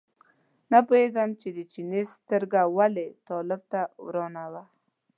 نه پوهېږم چې د چیني سترګه ولې طالب ته ورانه وه.